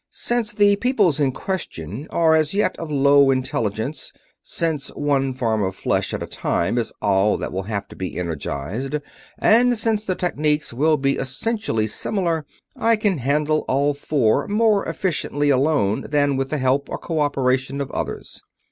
"Since the peoples in question are as yet of low intelligence; since one form of flesh at a time is all that will have to be energized; and since the techniques will be essentially similar; I can handle all four more efficiently alone than with the help or cooperation of others.